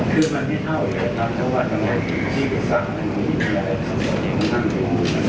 คือมันไม่เท่าอย่างไรครับจังหวัดทั้งหมดที่ไปสร้างมันไม่มีอะไรสำหรับที่มันทำอย่างไร